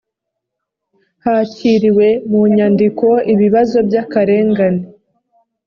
hakiriwe mu nyandiko ibibazo by akarengane